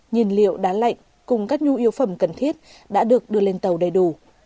nhiên liệu đá lạnh cùng các nhu yếu phẩm cần thiết đã được đưa lên tàu đầy đủ